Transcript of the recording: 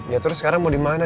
ya terus sekarang mau dimana